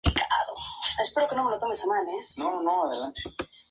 El disco se grabó en el estudio discográfico Kling Klang en Düsseldorf, Alemania.